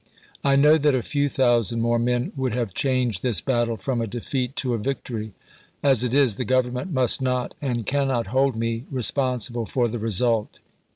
I know that a few thousand more men would have changed this battle from a defeat to a victory. As it is, the Government must not and can not hold me re sponsible for the result.